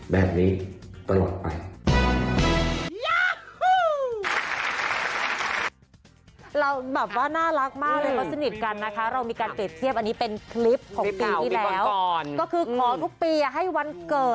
แบบนี้ตลอดไป